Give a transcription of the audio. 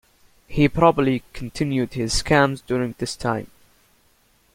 He probably continued his scams during this time.